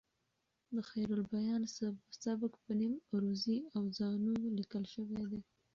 د خیرالبیان سبک په نیم عروضي اوزانو لیکل شوی دی.